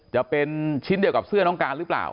จะเป็นชิ้นเดียวกับเสื้อน้องการหรือเปล่า